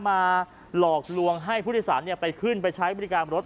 หลอกลวงให้ผู้โดยสารไปขึ้นไปใช้บริการรถ